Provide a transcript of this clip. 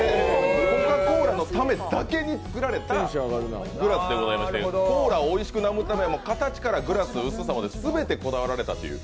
コカ・コーラのためだけに作られたグラスでございましてコーラをおいしく飲むため、形から薄さ、全てこだわられたという。